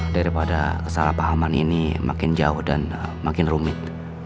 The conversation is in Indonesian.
daripada kesalahpahaman ini makin jauh dan makin rumit